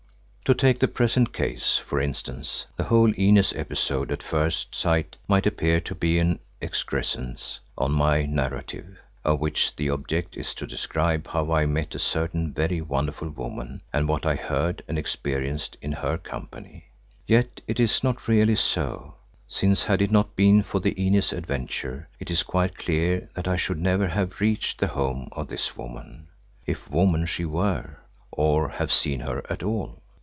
To take the present case, for instance, the whole Inez episode at first sight might appear to be an excrescence on my narrative, of which the object is to describe how I met a certain very wonderful woman and what I heard and experienced in her company. Yet it is not really so, since had it not been for the Inez adventure, it is quite clear that I should never have reached the home of this woman, if woman she were, or have seen her at all.